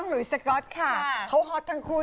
อยู่เมืองไทยอยู่